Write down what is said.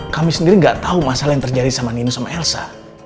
kami sendiri gak tahu masalah yang terjadi sama nino sama elsa